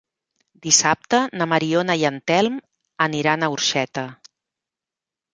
Dissabte na Mariona i en Telm aniran a Orxeta.